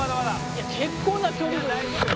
いや結構な距離ですよ。